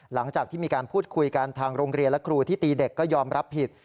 หลังจากที่มีการพูดคุยกันทางโรงเรียนและครูที่ตีเด็กก็ยอมรับผิด